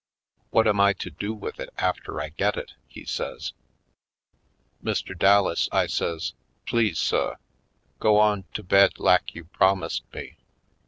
"What am I to do with it after I get it?" he says. "Mr Dallas," I says, "please, suh, go on to bed lak you promised me.